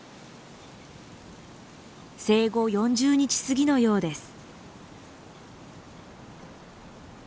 生後４０日すぎのようです。